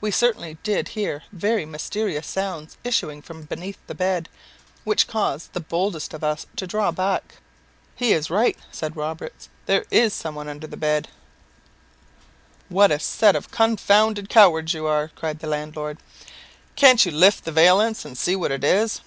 We certainly did hear very mysterious sounds issuing from beneath the bed, which caused the boldest of us to draw back. "He is right," said Roberts; "there is some one under the bed." "What a set of confounded cowards you are!" cried the landlord; "can't you lift the valance and see what it is?"